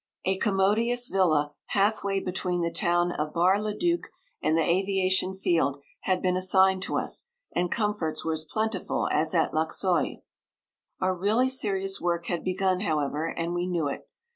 A commodious villa half way between the town of Bar le Duc and the aviation field had been assigned to us, and comforts were as plentiful as at Luxeuil. Our really serious work had begun, however, and we knew it.